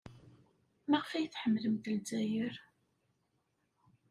Maɣef ay tḥemmlemt Lezzayer?